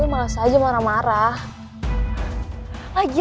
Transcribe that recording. nyampe pokok sudah ber graduation day